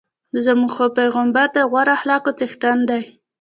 زموږ خوږ پیغمبر د غوره اخلاقو څښتن دی.